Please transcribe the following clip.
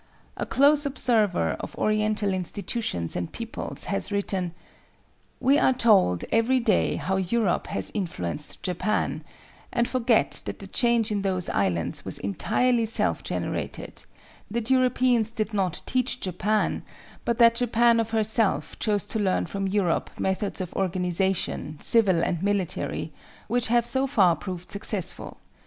A close observer of oriental institutions and peoples has written:—"We are told every day how Europe has influenced Japan, and forget that the change in those islands was entirely self generated, that Europeans did not teach Japan, but that Japan of herself chose to learn from Europe methods of organization, civil and military, which have so far proved successful.